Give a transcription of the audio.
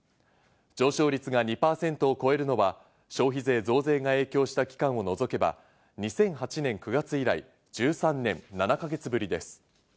上昇率が２％を超えるのは消費税増税が影響した期間を除けば、２００８年９月以来、１３年７か月ぶりです。